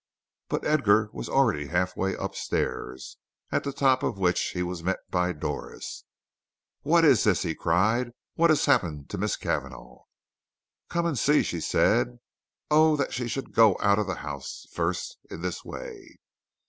But Edgar was already half way upstairs, at the top of which he was met by Doris. "What is this?" he cried. "What has happened to Miss Cavanagh?" "Come and see," she said. "O that she should go out of the house first in this way!"